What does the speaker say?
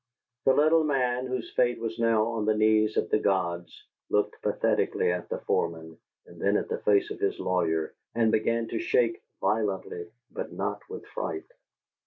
The little man, whose fate was now on the knees of the gods, looked pathetically at the foreman and then at the face of his lawyer and began to shake violently, but not with fright.